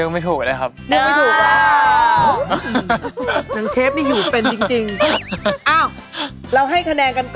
ไม่กรอบแล้วน้ำยำมันลาดไปแล้ว